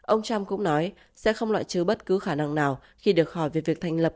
ông trump cũng nói sẽ không loại trừ bất cứ khả năng nào khi được hỏi về việc thành lập